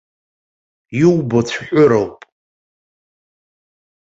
Иубо цәҳәыроуп.